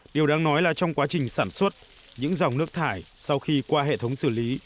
điều đáng nói là trong quá trình sản xuất những dòng nước thải sau khi qua hệ thống xử lý